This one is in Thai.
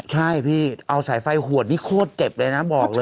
ใช่พี่เอาสายไฟหวดนี่โคตรเจ็บเลยนะบอกเลย